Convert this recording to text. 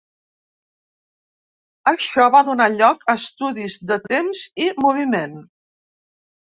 Això va donar lloc a estudis de temps i moviment.